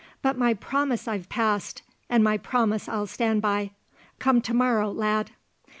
But my promise I've passed, and my promise I'll stand by. Come to morrow, lad."